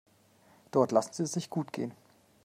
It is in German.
Dort lassen sie es sich gut gehen.